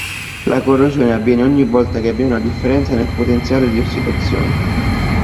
La corrosione avviene ogni volta che vi è una differenza nel potenziale di ossidazione.